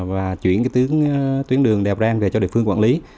và chuyển tuyến đường đèo bran về cho địa phương quản lý